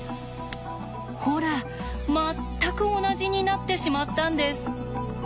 ほら全く同じになってしまったんです。